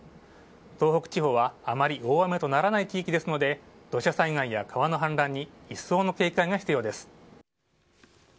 東北地方はあまり大雨とならない地域ですので土砂災害や川の氾濫にいっそうの警戒が必要です。